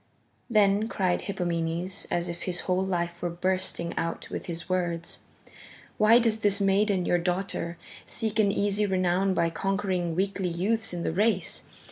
Then cried Hippomenes as if his whole life were bursting out with his words: "Why does this maiden, your daughter, seek an easy renown by conquering weakly youths in the race?